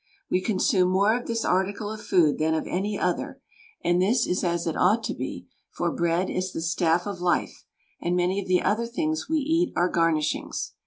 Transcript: We consume more of this article of food than of any other, and this is as it ought to be, for bread is the staff of life, and many of the other things we eat are garnishings.